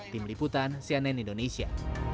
tim liputan cnn indonesia